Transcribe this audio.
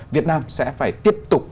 việt nam sẽ phải tiếp tục